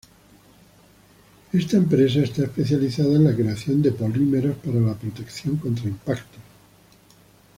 Esta empresa está especializada en la creación de polímeros para la protección contra impactos.